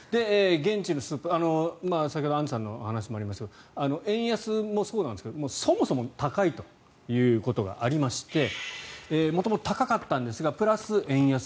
現地のスーパー先ほどアンジュさんのお話にもありましたが円安もそうなんですけどそもそも高いということがありまして元々高かったんですがプラス円安。